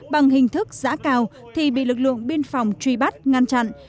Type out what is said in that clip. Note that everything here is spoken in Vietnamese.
bằng hình thức giã cào thì bị lực lượng biên phòng truy bắt ngăn chặn